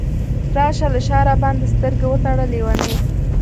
راشه له شاه راباندې سترګې وتړه لیونۍ !